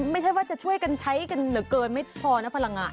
ไม่ใช่ว่าจะช่วยกันใช้เกินเผานะพลังงาน